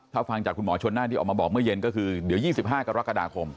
ถ้าฟังจากคุณหมอชนน่านที่ออกมาบอกเมื่อเย็นก็คือเดี๋ยว๒๕กรกฎาคม